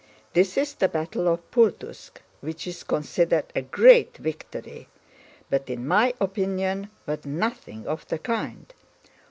This is the battle of Pultúsk, which is considered a great victory but in my opinion was nothing of the kind.